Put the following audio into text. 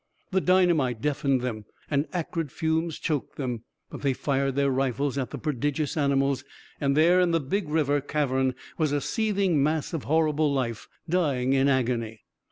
The dynamite deafened them, and acrid fumes choked them, but they fired their rifles at the prodigious animals and there, in the big river cavern, was a seething mass of horrible life, dying in agony.